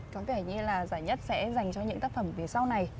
có vẻ như là giải nhất sẽ dành cho những tác phẩm phía sau này